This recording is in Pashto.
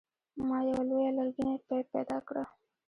ما یوه لویه لرګینه پیپ پیدا کړه.